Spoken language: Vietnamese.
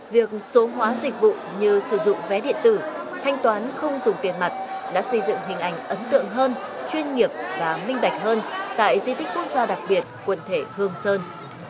việc số hóa dịch vụ như sử dụng vé điện tử thanh toán không dùng tiền mặt đã xây dựng hình ảnh ấn tượng hơn chuyên nghiệp và minh bạch hơn tại di tích quốc gia đặc biệt quận thể hương sơn